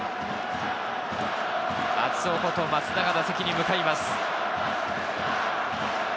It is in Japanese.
熱男こと松田が打席に向かいます。